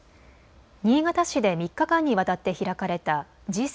新潟市で３日間にわたって開かれたＧ７・